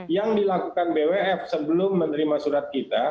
yang dilakukan bwf sebelum menerima surat kita